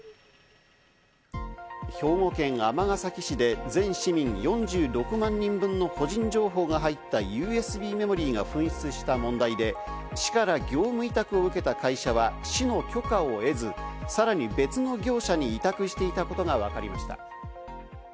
兵庫県尼崎市で全市民４６万人分の個人情報が入ったＵＳＢメモリーが紛失した問題で、市から業務委託を受けた会社は市の許可を得ず、さらに別の業者に委託していたことがわかりました。